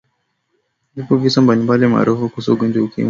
vipo visa mbalimbali maarufu kuhusu ugonjwa wa ukimwi